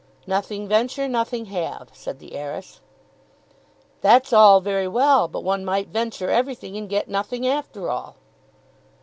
"Nothing venture, nothing have," said the heiress. "That's all very well; but one might venture everything and get nothing after all."